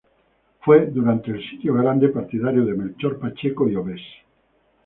Fue, durante el Sitio Grande, partidario de Melchor Pacheco y Obes.